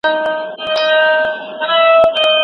هغه د ډنډ تر غاړې د ماشومانو تلو ته منتظره شوه.